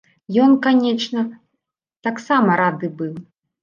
Ён, канечне, таксама рады быў.